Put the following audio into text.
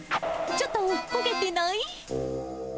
ちょっと焦げてない？